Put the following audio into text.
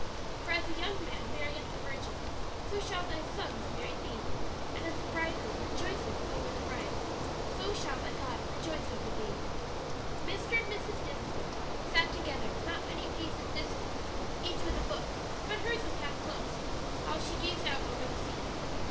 "'For as a young man marrieth a virgin, so shall thy sons marry thee: and as the bridegroom rejoiceth over the bride, so shall thy God rejoice over thee.'" Mr. and Mrs. Dinsmore sat together not many paces distant, each with a book; but hers was half closed while she gazed out over the sea.